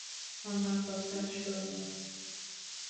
আমার কথা শোন, মেয়ে।